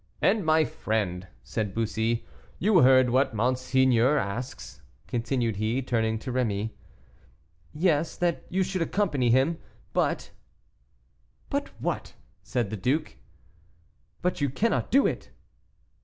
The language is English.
"And my friend," said Bussy. "You heard what monseigneur asks?" continued he, turning to Rémy. "Yes, that you should accompany him; but " "But what?" said the duke. "But you cannot do it!"